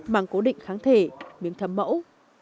màng cố định kháng thể miếng thấm mẫu